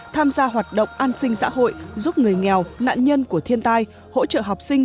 tham gia hoạt động an sinh xã hội giúp người nghèo nạn nhân của thiên tai hỗ trợ học sinh